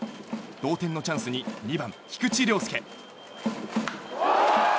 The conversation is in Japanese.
同点のチャンスに２番、菊池涼介。